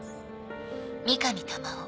三上珠緒